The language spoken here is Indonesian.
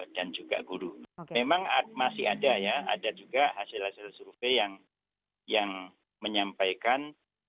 dan juga guru memang masih ada ya ada juga hasil hasil survei yang menyampaikan